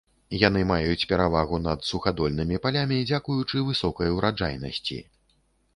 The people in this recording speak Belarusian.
Яны маюць перавагу над сухадольнымі палямі дзякуючы высокай ураджайнасці.